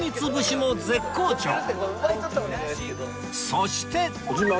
そして